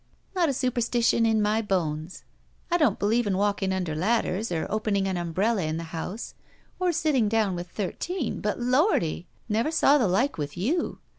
"Not a superstition in my bones. I don't believe in walking under ladders or opening an umbrella in the house or sitting down with thirteen, but, Lordy I never saw the like with you!